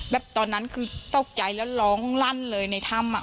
แบบตอนนั้นคือเต้าใจแล้วร้องรั่นเลยในถ้ำอะ